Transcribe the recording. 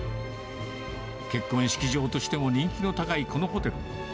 結婚式場としても人気の高いこのホテル。